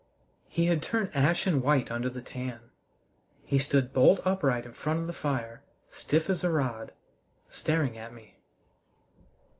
He had turned ashen white under the tan. He stood bolt upright in front of the fire, stiff as a rod, staring at me.